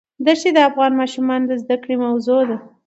دښتې د افغان ماشومانو د زده کړې موضوع ده.